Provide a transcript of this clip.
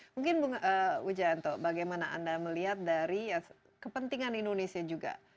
mungkin bu wijanto bagaimana anda melihat dari kepentingan indonesia juga